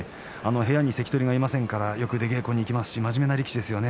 部屋に関取がいませんからよく出稽古に行きますし真面目ですよね。